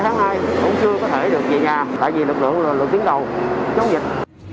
tháng hai cũng chưa có thể được về nhà tại vì lực lượng là lực tiến đầu chống dịch